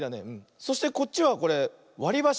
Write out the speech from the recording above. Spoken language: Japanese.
そしてこっちはこれわりばし。